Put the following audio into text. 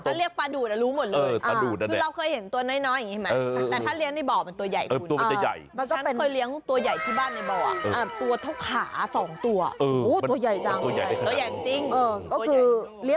ถ้าเลี้ยงปลาดูดอะรู้หมดเลยคือเราเคยเห็นตัวน้อยอย่างนี้ใช่ไหมแต่ถ้าเลี้ยงในบ่อมันตัวใหญ่กูเนี่ย